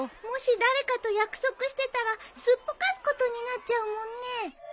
もし誰かと約束してたらすっぽかすことになっちゃうもんね。